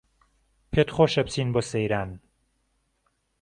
پێتخۆشە بچین بۆ سەیران